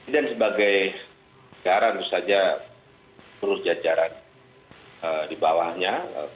dan sebagai garal itu saja turun jajaran di bawahnya